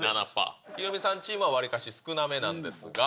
ヒロミさんチームは少なめなんですが。